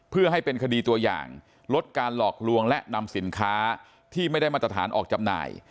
เพื่อให้เป็นคดีตัวอย่างลดการหลอกลวงและนำสินค้าที่ไม่ได้มาตรฐานออกจำหน่าย